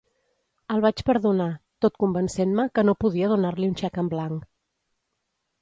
El vaig perdonar, tot convencent-me que no podia donar-li un xec en blanc.